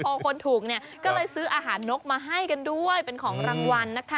เราคนถูกก็เลยซื้ออาหารนกมาให้ด้วยเป็นของรางวัลนะคะ